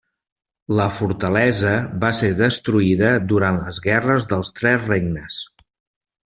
La fortalesa va ser destruïda durant les Guerres dels Tres Regnes.